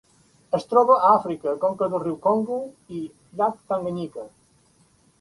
Es troba a Àfrica: conca del riu Congo i llac Tanganyika.